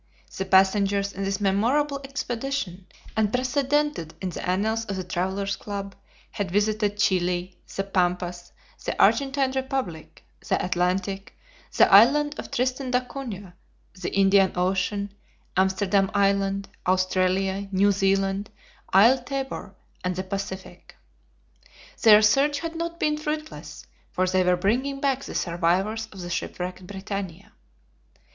The passengers in this memorable expedition, unprecedented in the annals of the Travelers' Club, had visited Chili, the Pampas, the Argentine Republic, the Atlantic, the island of Tristan d'Acunha, the Indian Ocean, Amsterdam Island, Australia, New Zealand, Isle Tabor, and the Pacific. Their search had not been fruitless, for they were bringing back the survivors of the shipwrecked BRITANNIA.